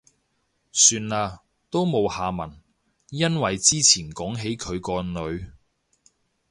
算喇，都冇下文。因為之前講起佢個女